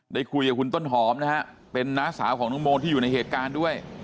ได้คุยกับคุณต้นหอมนะฮะเป็นน้าสาวของน้องโมที่อยู่ในเหตุการณ์ด้วย